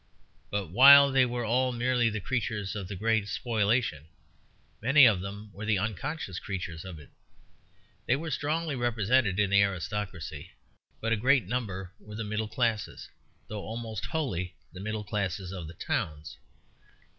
But while they were all merely the creatures of the great spoliation, many of them were the unconscious creatures of it. They were strongly represented in the aristocracy, but a great number were of the middle classes, though almost wholly the middle classes of the towns.